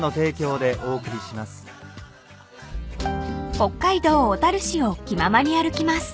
［北海道小樽市を気ままに歩きます］